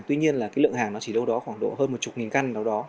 tuy nhiên là cái lượng hàng nó chỉ đâu đó khoảng độ hơn một chục nghìn căn nào đó